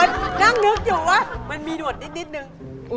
นั่งนึกอยู่ว่่ามันมีดวชนิดนึง